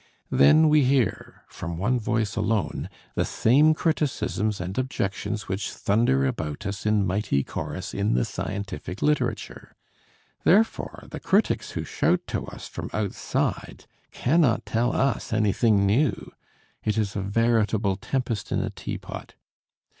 Then we hear from one voice alone the same criticisms and objections which thunder about us in mighty chorus in the scientific literature. Therefore the critics who shout to us from outside cannot tell us anything new. It is a veritable tempest in a teapot.